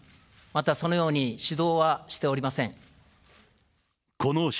またそのように指導はしておりません。